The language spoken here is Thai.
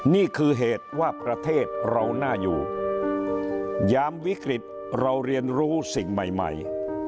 นี่คือเหตุว่าประเทศเราน่าอยู่ยามวิกฤตเราเรียนรู้สิ่งใหม่ใหม่